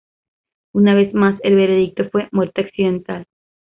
Una vez más, el veredicto fue "muerte accidental".